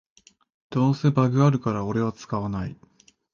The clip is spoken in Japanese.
どうせバグあるからオレは使わない